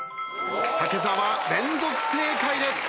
武沢連続正解です。